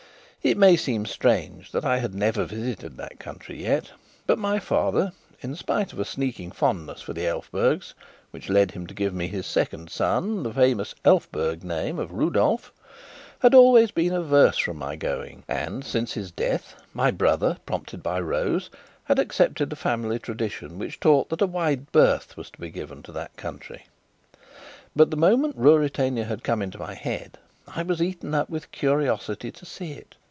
It may seem strange that I had never visited that country yet; but my father (in spite of a sneaking fondness for the Elphbergs, which led him to give me, his second son, the famous Elphberg name of Rudolf) had always been averse from my going, and, since his death, my brother, prompted by Rose, had accepted the family tradition which taught that a wide berth was to be given to that country. But the moment Ruritania had come into my head I was eaten up with a curiosity to see it.